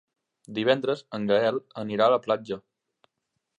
Divendres en Gaël anirà a la platja.